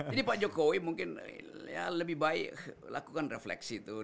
jadi pak jokowi mungkin lebih baik lakukan refleksi tuh